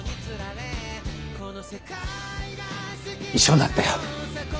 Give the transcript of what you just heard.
一緒になったよ。